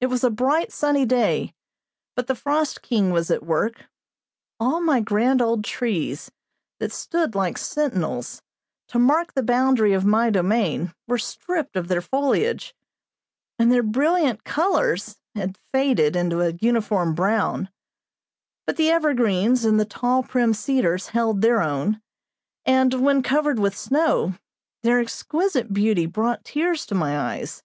It was a bright, sunny day, but the frost king was at work; all my grand old trees, that stood like sentinels, to mark the boundary of my domain, were stripped of their foliage, and their brilliant colors had faded into a uniform brown; but the evergreens and the tall, prim cedars held their own, and, when covered with snow, their exquisite beauty brought tears to my eyes.